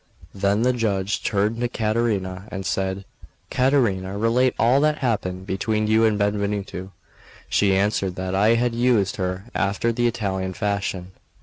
Then the judge turned to Caterina, and said: "Caterina, relate all that happened between you and Benvenuto." She answered that I had used her after the Italian fashion.